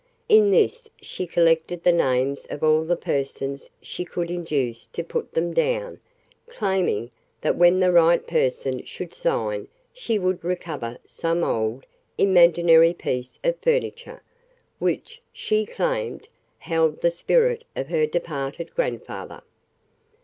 In this she collected the names of all the persons she could induce to put them down, claiming that when the right person should sign she would recover some old, imaginary piece of furniture, which, she claimed, held the spirit of her departed grandfather."